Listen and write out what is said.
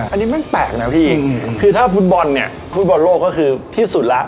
อันนี้มันแปลกนะพี่คือถ้าฟุตบอลเนี่ยฟุตบอลโลกก็คือที่สุดแล้ว